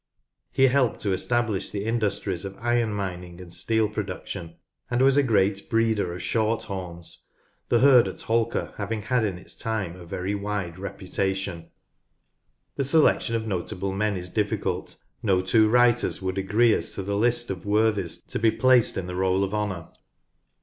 He helped to establish the industries of iron mining and steel pro duction, and was a great breeder of shorthorns, the herd at Holker having had in its time a very wide reputation. w ROLL OF HOXOUR 153 The selection of notable men is difficult ; no two liters would agree as to the list of worthies to be Archbishop Sandys placed in the roll of honour.